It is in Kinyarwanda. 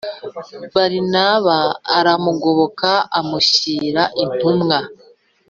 barinaba aramugoboka amushyira intumwa